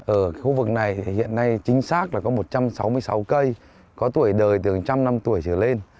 ở khu vực này hiện nay chính xác là có một trăm sáu mươi sáu cây có tuổi đời từ một trăm linh năm tuổi trở lên